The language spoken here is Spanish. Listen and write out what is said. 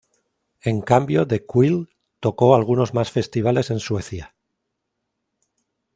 En cambio The Quill tocó algunos más festivales en Suecia.